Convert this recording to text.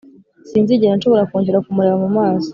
sinzigera nshobora kongera kumureba mu maso.